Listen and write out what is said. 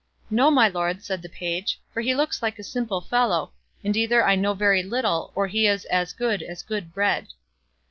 "No, my lord," said the page, "for he looks like a simple fellow, and either I know very little or he is as good as good bread."